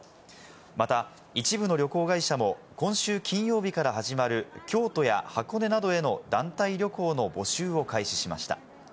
また一部の旅行会社も今週金曜日から始まる京都や箱根などへの団体旅行の募集を開始しました。